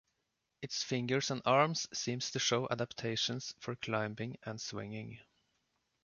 Its fingers and arms seem to show adaptations for climbing and swinging.